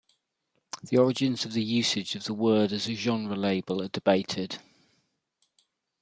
The origins of the usage of the word as a genre-label are debated.